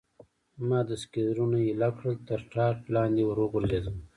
ما دستګیرونه ایله کړل، تر ټاټ لاندې ور وغورځېدم.